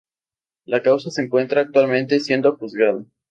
La causa se encuentra actualmente siendo juzgada.